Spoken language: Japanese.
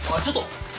ちょっと。